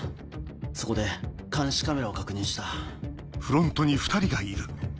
そこで監視カメラを確認した。